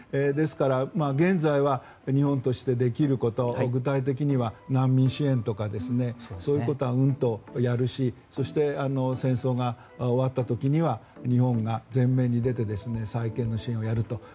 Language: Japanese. ですから現在は日本としてできること具体的には難民支援とかそういうことは、うんとやるしそして戦争が終わった時には日本が前面に出て再建の支援をやると。